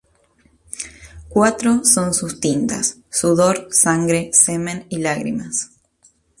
Cuatro son sus tintas: sudor, sangre, semen y lágrimas.